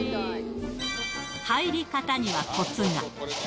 入り方にはコツが。